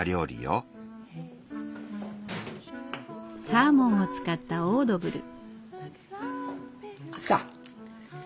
サーモンを使ったオードブル。